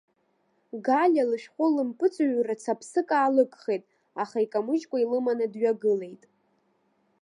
Галиа лышәҟәы лымпыҵҩррацы аԥсык аалыгхеит, аха икамыжькәа илыманы дҩагылеит.